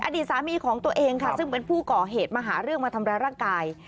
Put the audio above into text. อดีตสามีของตัวเองค่ะซึ่งเป็นผู้ก่อเหตุมาหาเรื่องมาทำร้ายร่างกาย